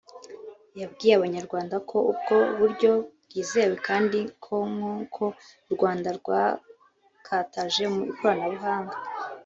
yabwiye abanyamakuru ko ubwo buryo bwizewe kandi ko nk’uko u Rwanda rwakataje mu ikoranabuhanga